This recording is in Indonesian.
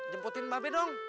jemputin mbak be dong